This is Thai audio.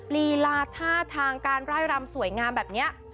ลีลาท่าทางการไล่รำสวยงามแบบนี้